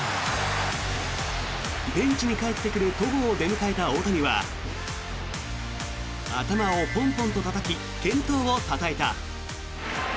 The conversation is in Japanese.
ベンチに帰ってくる戸郷を出迎えた大谷は頭をポンポンとたたき健闘をたたえた。